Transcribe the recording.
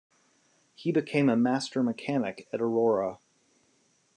He became a master mechanic at Aurora.